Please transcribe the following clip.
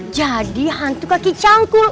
jadi hantu kakek canggul